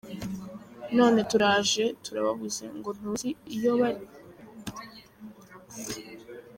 None turaje turababuze ngo ntuzi iyo bari.